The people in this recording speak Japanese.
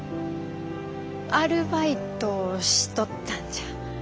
アルバイトをしとったんじゃ。